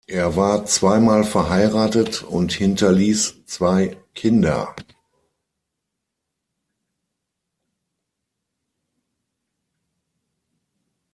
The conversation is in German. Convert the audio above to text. Er war zweimal verheiratet und hinterließ zwei Kinder.